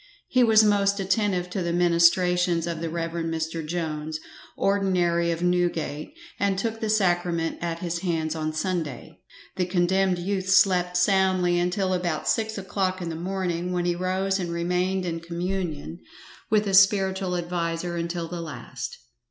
He was most attentive to the ministrations of the Rev. Mr. Jones, ordinary of Newgate, and took the sacrament at his hands on Sunday, The condemned youth slept soundly until about six o'clock in the morning, when he rose and remained in communion with his spiritual adviser until the last.